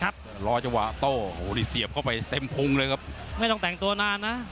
รอจังหวะโต้โอ้โหนี่เสียบเข้าไปเต็มพุงเลยครับไม่ต้องแต่งตัวนานนะ